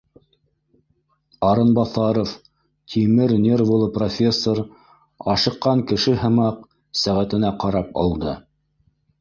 Арынбаҫаров, тимер нервылы профессор, ашыҡҡан кеше һымаҡ, сәғәтенә ҡарап алды